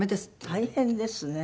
大変ですね。